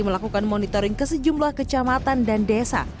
melakukan monitoring ke sejumlah kecamatan dan desa